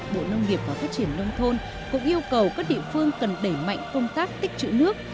bộ nông nghiệp và phát triển nông thôn cũng yêu cầu các địa phương cần đẩy mạnh công tác tích chữ nước